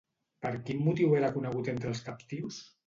Per quin motiu era conegut entre els captius?